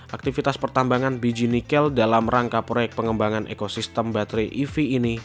aktivitas pertambangan biji nikel dalam rangka proyek pengembangan ekosistem baterai ev ini